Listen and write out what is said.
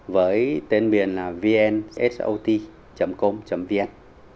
với tên biển là vnhot com vn